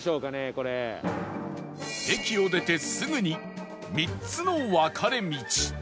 駅を出てすぐに３つの分かれ道